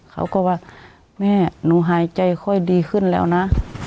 เขาก็ว่าแม่หนูหายใจค่อยดีขึ้นแล้วนะ